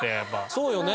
そうよね。